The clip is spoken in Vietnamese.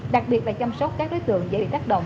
đặc biệt là chăm sóc các đối tượng dễ bị tác động